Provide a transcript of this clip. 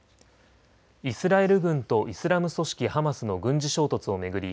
イスラエル軍とイスラム組織ハマスの軍事衝突を巡り